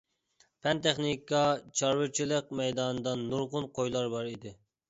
پەن-تېخنىكا چارۋىچىلىق مەيدانىدا نۇرغۇن قويلار بار ئىدى.